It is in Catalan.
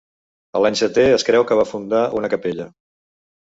A l'any setè, es creu que va fundar una capella.